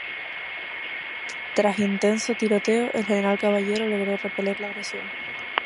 Tras intenso tiroteo, el general Caballero logró repeler la agresión.